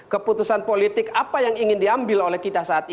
keputusan politik apa yang ingin diambil oleh kita saat ini